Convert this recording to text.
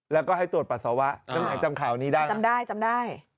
แล้วก็ให้ตรวจปัสสาวะจำข่าวนี้ได้จำได้จำได้